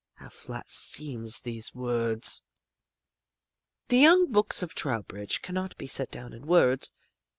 How flat seem these words! The young books of Trowbridge can not be set down in words.